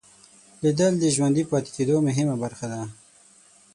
لیدل د ژوندي پاتې کېدو مهمه برخه ده